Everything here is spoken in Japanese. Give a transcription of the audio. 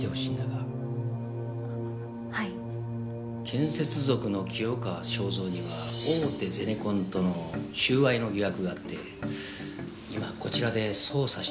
建設族の清川昭三には大手ゼネコンとの収賄の疑惑があって今こちらで捜査してるところなんだ。